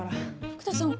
福多さん